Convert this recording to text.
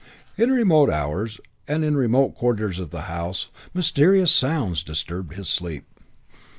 In remote hours and in remote quarters of the house mysterious sounds disturbed his sleep.